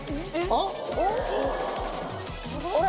あれ？